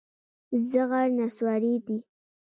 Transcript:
زغر نصواري دي.